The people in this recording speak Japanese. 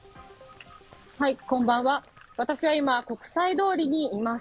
私は今、国際通りにいます。